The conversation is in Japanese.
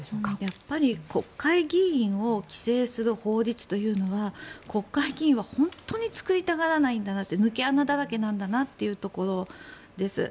やっぱり国会議員を規制する法律というのは国会議員は本当に作りたがらないんだなって抜け穴だらけなんだなというところです。